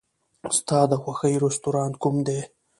ستا د خوښې رستورانت کوم دی؟